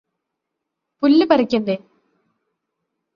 പുല്ല് പറിക്കണ്ടേ?